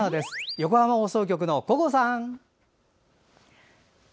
横浜放送局の小郷さん！